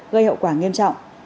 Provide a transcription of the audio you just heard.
gây hậu quả nghiêm trọng